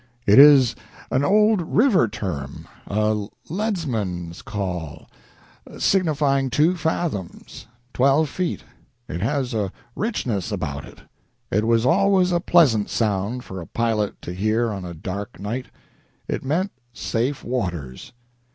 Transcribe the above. It is an old river term, a leadsman's call, signifying two fathoms twelve feet. It has a richness about it; it was always a pleasant sound for a pilot to hear on a dark night; it meant safe waters."